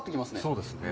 そうですね。